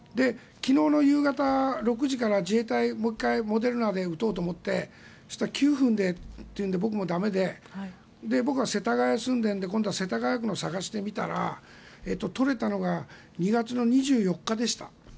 昨日の夕方６時から自衛隊もう１回、モデルナで打とうと思ってそうしたら９分でっていうんで僕も駄目で僕は世田谷区に住んでいるので世田谷区ので探してみたら取れたのが２月２４日でした。